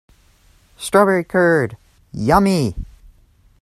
Strawberry curd, yummy!